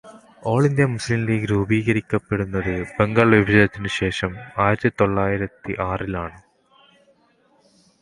ഓള് India Muslim league രൂപീകരിക്കപ്പെടുന്നത്, ബംഗാള് വിഭജനത്തിനു ശേഷം, ആയിരത്തിത്തൊള്ളായിരത്തി ആറിൽ ആണു.